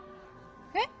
えっ？